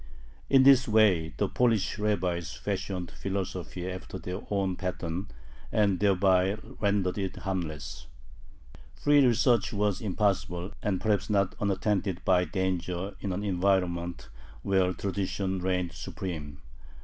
In this way the Polish rabbis fashioned philosophy after their own pattern, and thereby rendered it "harmless." Free research was impossible, and perhaps not unattended by danger in an environment where tradition reigned supreme.